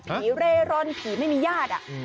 เร่ร่อนผีไม่มีญาติ